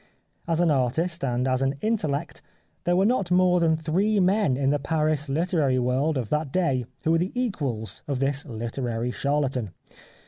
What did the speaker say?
As an artist, and as an intellect, there were not more than three men in the Paris literary world of that day who were the equals of this literary charlatan.